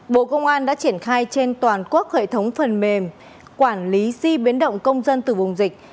bộ công an đã triển khai trên toàn quốc hệ thống phần mềm quản lý di biến động công dân từ vùng dịch